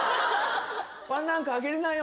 ワンランク上げれないよ